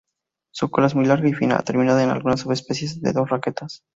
Su cola es muy larga y fina, terminada en algunas subespecies en dos raquetas.